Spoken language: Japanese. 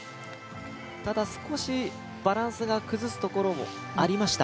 ただ少しバランスが崩すところ、ありました。